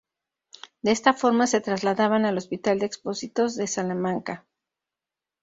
De esta forma se trasladaban al Hospital de Expósitos de Salamanca.